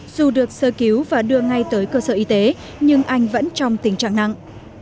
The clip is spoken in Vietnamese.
dù được sơ cứu và đưa ngay tới cơ sở y tế nhưng anh vẫn trong tình trạng nặng